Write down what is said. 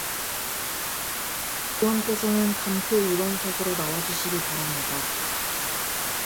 감표위원께서는 감표위원석으로 나와 주시기 바랍니다.